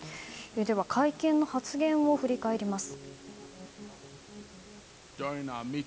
会見の発言を振り返ります。